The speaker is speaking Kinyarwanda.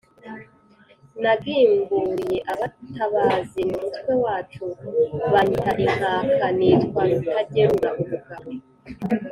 Nagimbuliye abatabazi mu mutwe wacu banyita inkaka, nitwa Rutagerura ubugabo